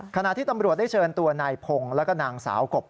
ขณะที่ตำรวจได้เชิญตัวนายพงศ์แล้วก็นางสาวกบ